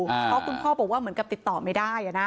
เพราะคุณพ่อบอกว่าเหมือนกับติดต่อไม่ได้